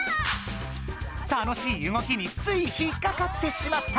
楽しい動きについひっかかってしまった。